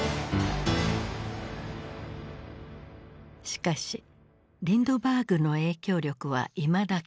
しかしリンドバーグの影響力はいまだ健在。